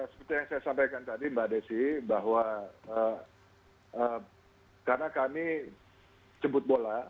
seperti yang saya sampaikan tadi mbak desi bahwa karena kami jemput bola